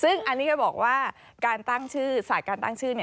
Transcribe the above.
ซึ่งอันนี้ก็บอกว่าการตั้งชื่อศาสตร์การตั้งชื่อ